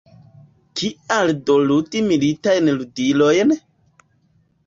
Kial do ludi militajn ludilojn?